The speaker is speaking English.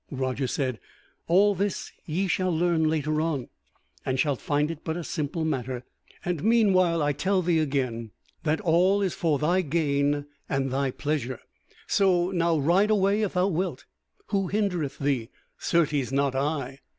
Roger said: "All this ye shall learn later on, and shalt find it but a simple matter; and meanwhile I tell thee again that all is for thy gain and thy pleasure. So now ride away if thou wilt; who hindereth thee? certes not I."